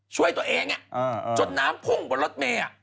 ช่วยตัวเองจนน้ำพุ่งบนรถเมย์